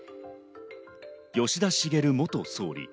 吉田茂元総理。